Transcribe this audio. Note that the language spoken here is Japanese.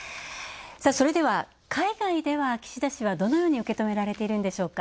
それでは、海外では、岸田氏はどのように受け止められているんでしょうか。